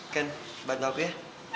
ken bantu aku ya